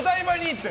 って。